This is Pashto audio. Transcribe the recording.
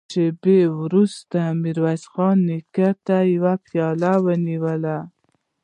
شېبه وروسته يې ميرويس خان ته يوه پياله ونيوله.